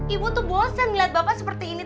ibu tuh bosen ngeliat bapak seperti ini